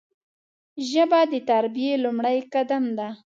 ژبه د تربیې لومړی قدم دی